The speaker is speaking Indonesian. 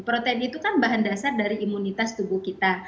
protein itu kan bahan dasar dari imunitas tubuh kita